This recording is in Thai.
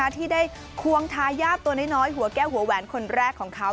ที่ได้ควงทายาทตัวน้อยหัวแก้วหัวแหวนคนแรกของเขา